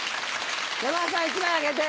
山田さん１枚あげて。